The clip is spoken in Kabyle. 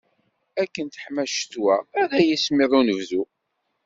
Akken teḥma ccetwa ara yismiḍ unebdu.